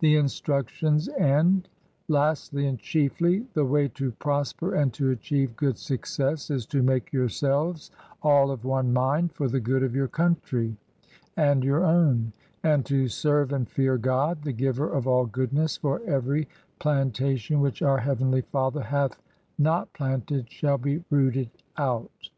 The instructions end, "Lastly and chiefly, the way to prosper and to achieve good success is to make yourselves all of one mind for the good of your country and your own, and to serve and fear God, the Giver of all Goodness, for every plantation which our Heavenly Father hath not planted shall be rooted out."